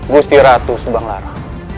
gusti ratu subang lara